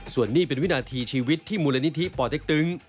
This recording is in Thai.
ส่วนนี้เป็นวินาทีชีวิตที่มูลนิธิป่อเต็กตึง